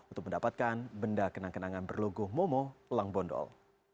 untuk mendapatkan benda kenang kenangan berlogo momo langbondol